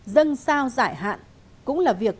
dân sao giải hạn cũng là việc